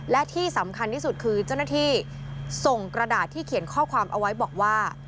และที่สำคัญที่สุดคือเจ้าหน้าที่ส่งกระดาษที่เขียนข้อความเอาไว้บอกว่า